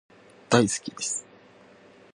大好きです